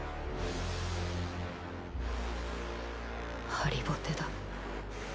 ハリボテだ。